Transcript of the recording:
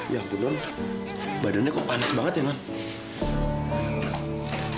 ya tuhan badannya kok panas banget ya nang